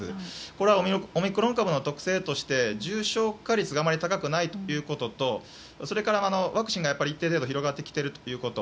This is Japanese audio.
これはオミクロン株の特性として重症化率があまり高くないということとワクチンが一定程度広がってきているということ。